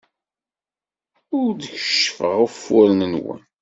Ur d-keccfeɣ ufuren-nwen.